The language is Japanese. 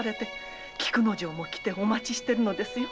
菊之丞も来てお待ちしています。